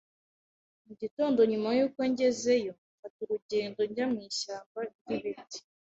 Mu gitondo nyuma yuko ngezeyo, mfata urugendo njya mu ishyamba ryibiti.